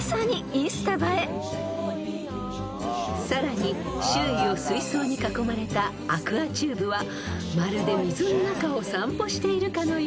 ［さらに周囲を水槽に囲まれたアクアチューブはまるで水の中を散歩しているかのよう］